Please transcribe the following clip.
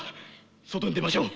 外に出ましょう！